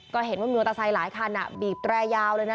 ก็เห็นว่ามีมอเตอร์ไซค์หลายคันบีบแตรยาวเลยนะ